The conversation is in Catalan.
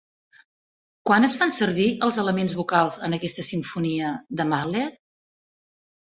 Quan es fan servir els elements vocals en aquesta simfonia de Mahler?